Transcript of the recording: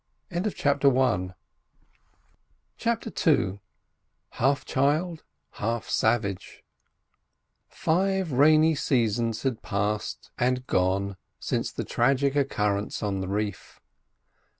CHAPTER II HALF CHILD—HALF SAVAGE Five rainy seasons had passed and gone since the tragic occurrence on the reef.